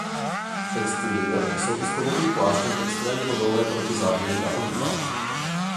Textilie jsou i s kovovým pláštěm extrémně odolné proti zátěži a ohýbání.